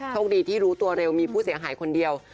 โชคดีที่รู้ตัวเร็วมีผู้เสียหายคนเดียว